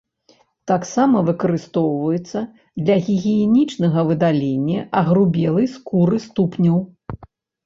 Таксама выкарыстоўваецца для гігіенічнага выдалення агрубелай скуры ступняў.